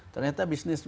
ternyata bisnis lebih